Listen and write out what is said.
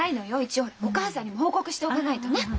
一応ほらお母さんに報告しておかないとねっ？